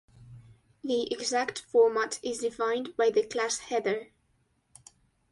The exact format is defined by the "class" header.